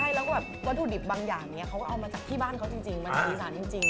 ใช่แล้วก็แบบวัตถุดิบบางอย่างนี้เขาก็เอามาจากที่บ้านเขาจริงมาจากอีสานจริง